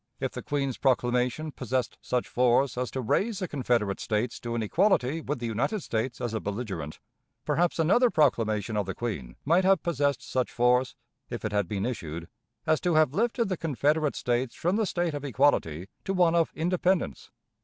If the Queen's proclamation possessed such force as to raise the Confederate States to an equality with the United States as a belligerent, perhaps another proclamation of the Queen might have possessed such force, if it had been issued, as to have lifted the Confederate States from the state of equality to one of independence.